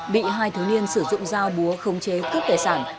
bị hai thiếu niên sử dụng dao búa không chế cướp tài sản